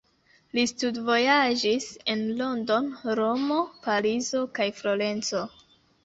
Li studvojaĝis en London, Romo, Parizo, kaj Florenco.